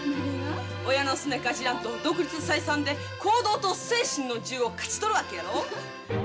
親のすねをかじらんと独立採算で行動と精神の自由を勝ちとるわけやろ。